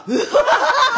ハハハハハ！